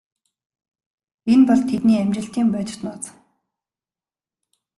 Энэ бол тэдний амжилтын бодит нууц.